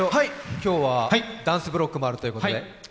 今日はダンスブロックもあるということで。